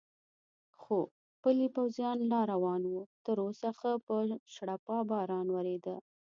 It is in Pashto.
خو پلی پوځیان لا روان و، تراوسه ښه په شړپا باران ورېده.